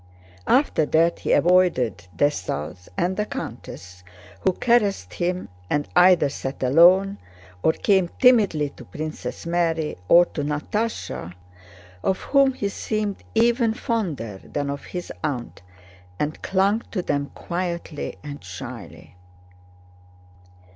After that he avoided Dessalles and the countess who caressed him and either sat alone or came timidly to Princess Mary, or to Natásha of whom he seemed even fonder than of his aunt, and clung to them quietly and shyly.